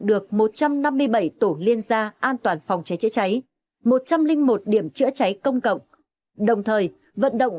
được một trăm năm mươi bảy tổ liên gia an toàn phòng cháy chữa cháy một trăm linh một điểm chữa cháy công cộng đồng thời vận động